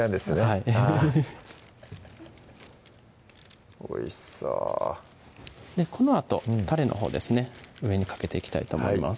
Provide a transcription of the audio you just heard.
はいおいしそうこのあとたれのほうですね上にかけていきたいと思います